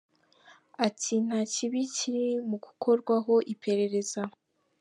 Ati "Nta kibi kiri mu gukorwaho iperereza.